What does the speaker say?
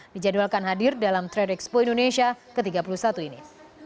dijadwalkan hadir dalam trade expo indonesia ke tiga puluh satu ini